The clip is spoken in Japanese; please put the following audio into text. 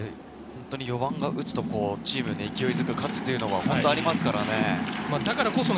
４番が打つと、チームが勢いづく、勝つというのがありますからね。